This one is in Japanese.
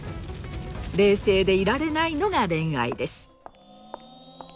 冷静でいられないのが恋愛です。